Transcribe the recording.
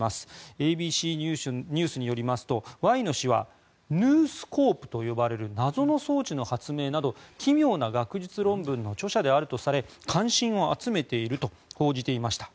ＡＢＣニュースによりますとワイノ氏はヌースコープと呼ばれる謎の装置の発明など奇妙な学術論文の著者であるとされ関心を集めていると報じていました。